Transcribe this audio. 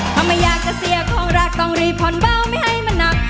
ถ้าไม่อยากจะเสียของรักต้องรีบผ่อนเบาไม่ให้มันหนัก